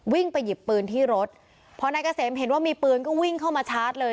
ไปหยิบปืนที่รถพอนายเกษมเห็นว่ามีปืนก็วิ่งเข้ามาชาร์จเลย